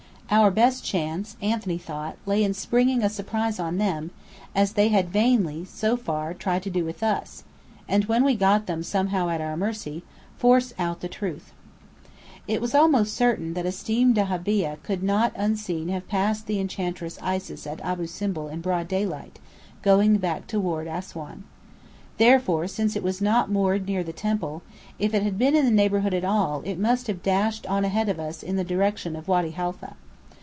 Our best chance, Anthony thought, lay in springing a surprise on them, as they had vainly (so far) tried to do with us; and when we got them somehow at our mercy, force out the truth. It was almost certain that a steam dahabeah could not unseen have passed the Enchantress Isis at Abu Simbel in broad daylight, going back toward Assuan. Therefore, since it was not moored near the temple, if it had been in the neighbourhood at all it must have dashed on ahead of us in the direction of Wady Haifa.